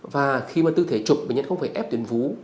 và khi mà tư thể trục bệnh nhân không phải ép tuyên vú